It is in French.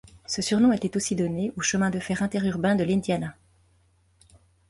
Ce surnom était aussi donné au chemin de fer interurbain de l'Indiana.